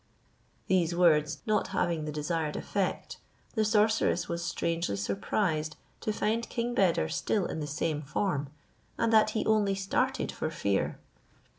These words not having the desired effect, the sorceress was strangely surprised to find King Beder still in the same form, and that he only started for fear.